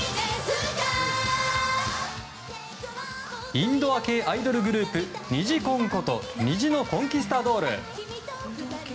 インドア系アイドルグループ虹コンこと虹のコンキスタドール。